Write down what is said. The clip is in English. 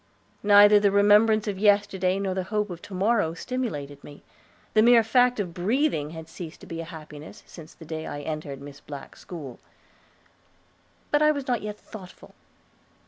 Neither the remembrance of yesterday nor the hope of to morrow stimulated me. The mere fact of breathing had ceased to be a happiness, since the day I entered Miss Black's school. But I was not yet thoughtful.